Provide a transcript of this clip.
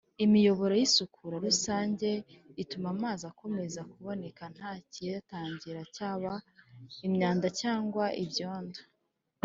imiyoboro y isukura rusange ituma amazi akomeza kuboneka nta kiyatangira cyaba imyanda cyangwa ibyondo